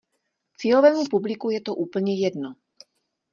Cílovému publiku je to úplně jedno.